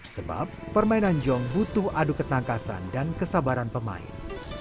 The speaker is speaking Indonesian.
sebab permainan jong butuh adu ketangkasan dan kesabaran pemain